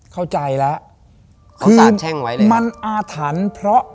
เข้าใจละเค้าสาบแช่งไว้เลยครับคือมันอาถรรพ์เพราะ